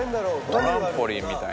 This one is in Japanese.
トランポリンみたい。